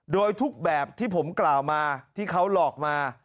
โดยทุกแบบที่ผมกล่าวมาที่เขาหลอกมา